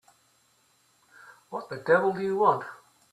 What the devil do you want?